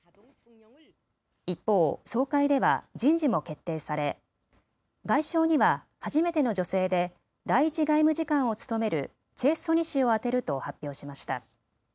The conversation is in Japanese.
一方、総会では人事も決定され外相には初めての女性で第１外務次官を務めるチェ・ソニ氏を充てると発表しました。